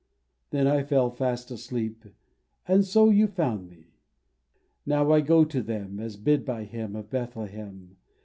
" Then I fell fast asleep, and so You found me. Now I go to them, As bid by Him of Bethlehem.